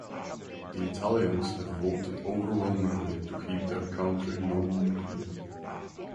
The Italians have voted overwhelmingly to keep their country non-nuclear.